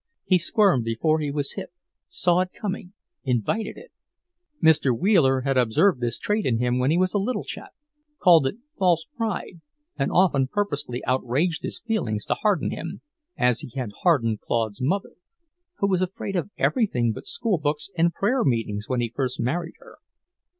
He squirmed before he was hit; saw it coming, invited it. Mr. Wheeler had observed this trait in him when he was a little chap, called it false pride, and often purposely outraged his feelings to harden him, as he had hardened Claude's mother, who was afraid of everything but schoolbooks and prayer meetings when he first married her.